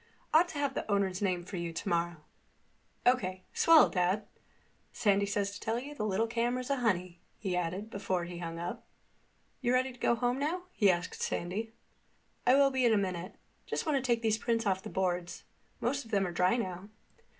Ought to have the owner's name for you tomorrow." "O.K. Swell, Dad. Sandy says to tell you the little camera's a honey," he added before he hung up. "You ready to go home now?" he asked Sandy. "I will be in a minute. Just want to take these prints off the boards. Most of them are dry now."